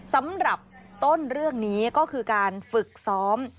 สำหรับต้นเรื่องนี้ก็คือการฝึกซ้อม